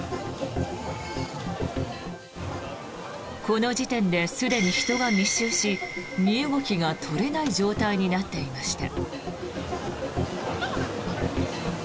この時点ですでに人が密集し身動きが取れない状態になっていました。